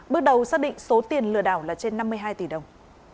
bước đầu xác định số tiền lừa đảo là trên năm mươi hai tỷ đồng